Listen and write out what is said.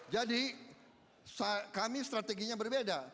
jadi kami strateginya berbeda